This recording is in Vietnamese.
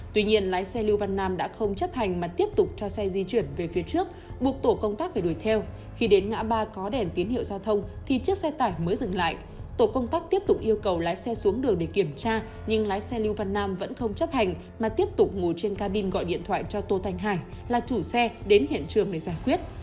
tuy nhiên lái xe lưu văn nam đã không chấp hành mà tiếp tục cho xe di chuyển về phía trước buộc tổ công tác phải đuổi theo khi đến ngã ba có đèn tiến hiệu giao thông thì chiếc xe tải mới dừng lại tổ công tác tiếp tục yêu cầu lái xe xuống đường để kiểm tra nhưng lái xe lưu văn nam vẫn không chấp hành mà tiếp tục ngồi trên cabin gọi điện thoại cho tô thanh hải là chủ xe đến hiện trường để giải quyết